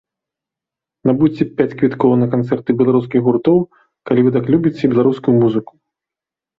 Набудзьце пяць квіткоў на канцэрты беларускіх гуртоў, калі вы так любіце беларускую музыку.